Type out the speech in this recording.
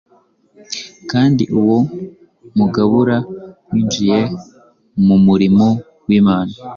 kandi uwo mugabura winjiye mu murimo w’imana